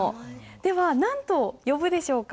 では何と呼ぶでしょうか？